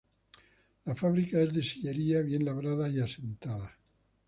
La fábrica es de sillería bien labrada y asentada.